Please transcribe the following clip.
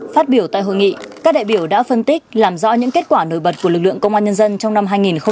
phát biểu tại hội nghị các đại biểu đã phân tích làm rõ những kết quả nổi bật của lực lượng công an nhân dân trong năm hai nghìn hai mươi ba